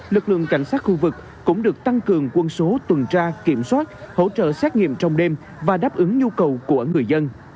lực lượng cảnh sát khu vực cũng được tăng cường quân số tuần tra kiểm soát hỗ trợ xét nghiệm trong đêm và đáp ứng nhu cầu của người dân